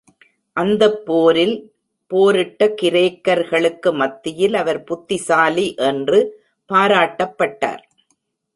அந்தப் போரில் போரிட்ட கிரேக்கர்களுக்கு மத்தியில் அவர் புத்திசாலி என்று பாராட்டப்பட்டார்.